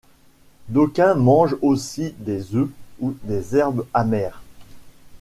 D’aucuns mangent aussi des œufs ou des herbes amères.